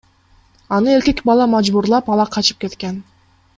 Аны эркек бала мажбурлап ала качып кеткен.